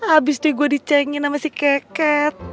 abis deh gue di cengin sama si keket